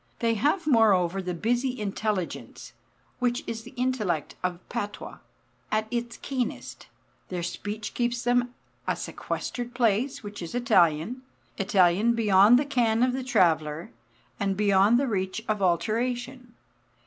They have moreover the busy intelligence (which is the intellect of patois) at its keenest. Their speech keeps them a sequestered place which is Italian, Italian beyond the ken of the traveller, and beyond the reach of alteration.